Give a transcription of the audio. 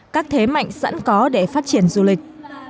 các thế mạnh sẵn có để phát triển du lịch